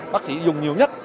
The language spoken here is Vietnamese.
bác sĩ dùng nhiều nhất